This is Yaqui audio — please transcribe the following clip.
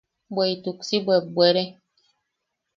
Bweʼituk si bwebbwere.